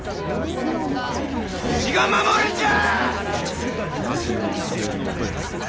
わしが守るんじゃあ！